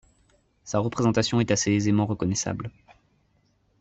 Sa représentation est assez aisément reconnaissable.